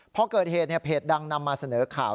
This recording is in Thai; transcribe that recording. เพราะเกิดเหตุแพทย์ดังนำมาเสนอข่าว